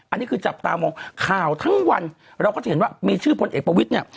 อันนี้คือจับตามองข่าวทั้งวันเราก็จะเห็นว่ามีชื่อพลเอกประวิทย์เนี่ย